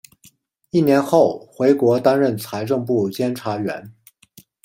一年后回国担任财政部监察员。